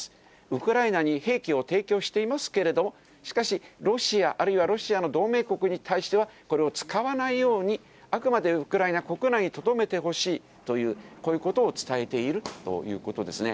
ウクライナに兵器を提供していますけれども、しかしロシア、あるいはロシアの同盟国に対してはこれを使わないように、あくまでウクライナ国内にとどめてほしいという、こういうことを伝えているということですね。